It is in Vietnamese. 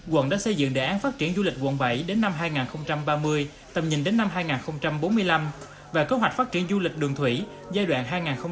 quận đã xây dựng đề án phát triển du lịch quận bảy đến năm hai nghìn ba mươi tầm nhìn đến năm hai nghìn bốn mươi năm và kế hoạch phát triển du lịch đường thủy giai đoạn hai nghìn hai mươi một hai nghìn ba mươi